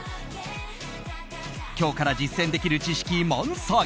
今日から実践できる知識満載。